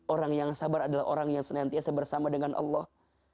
orang yang sabar adalah orang yang senantiasa bersama dengan allah